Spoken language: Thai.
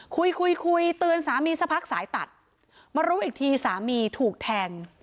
คุยคุยคุยเตือนสามีสักพักสายตัดมารู้อีกทีสามีถูกแทง